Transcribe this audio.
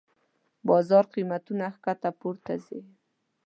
بازار قېمتونه کښته پورته ځي.